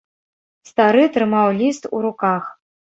Стары трымаў ліст у руках.